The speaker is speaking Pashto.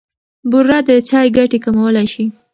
بوره د چای ګټې کمولای شي.